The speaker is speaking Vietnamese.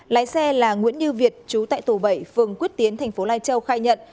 lái xe là nguyễn như việt chú tại tù bảy phường quyết tiến tp lai châu khai nhận